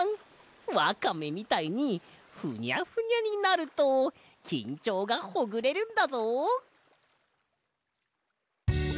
わかめみたいにふにゃふにゃになるときんちょうがほぐれるんだぞ！